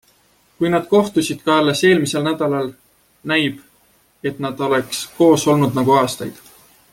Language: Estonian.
Kui nad kohtusid ka alles eelmisel nädalal - näib, et nad oleks koos olnud nagu aastaid!